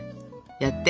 やって。